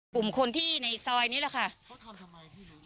กลุ่มคนที่ในซอยนี้แหละค่ะเขาทำทำไมพี่